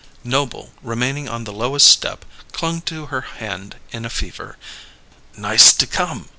Noble, remaining on the lowest step, clung to her hand in a fever. "Nice to come!"